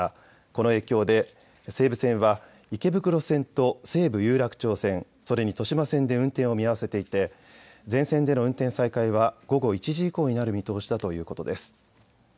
この影響で西武線は池袋線と西武有楽町線、それに豊島線で運転を見合わせていて全線での運転再開は午後１時以降になる見通しだということです。